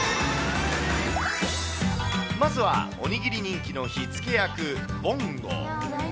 まずは、おにぎり人気の火付け役、ぼんご。